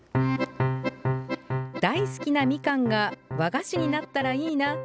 大好きなみかんが和菓子になったらいいな。